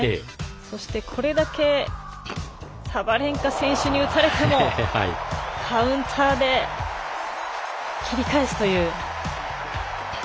そして、これだけサバレンカ選手に打たれてもカウンターで切り返すという。